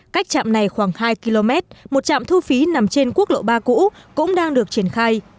cách trạm này khoảng hai km một trạm thu phí nằm trên quốc lộ ba cũ cũng đang được triển khai